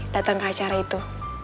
datang ke acara itu